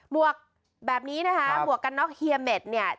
วกแบบนี้นะคะหมวกกันน็อกเฮียเม็ดเนี่ย